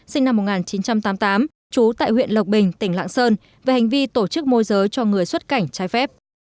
sinh năm một nghìn chín trăm tám mươi tám trú tại huyện lộc bình tỉnh lạng sơn về hành vi tổ chức môi giới cho người xuất cảnh trái phép